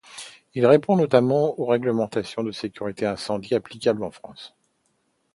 Il répond notamment aux réglementations de sécurité incendie applicables en France.